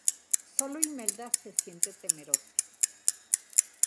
Sólo Imelda se siente temerosa.